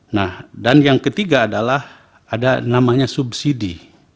nah dan yang ketiga adalah ada namanya subsidi